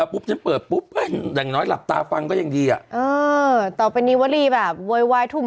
เพราะว่าเขาใจเย็นลงมาก